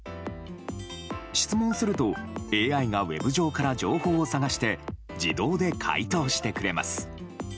質問すると、ＡＩがウェブ上から情報を探して自動で回答してくれます。